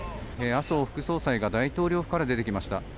麻生副総裁が大統領府から出てきました。